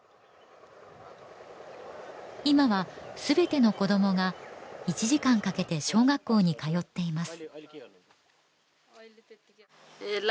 今はすべての子どもが１時間かけて小学校に通っています